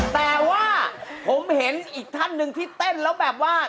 แต่ว่าผมเห็นอีกท่านหนึ่งที่เต้นแล้วแบบว่า